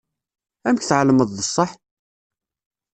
Amek tɛelmeḍ d ṣṣeḥ?